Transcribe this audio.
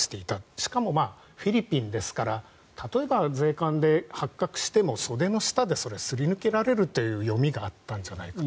しかもフィリピンですから例えば税関で発覚しても袖の下でそれはすり抜けられるという読みがあったんじゃないかと。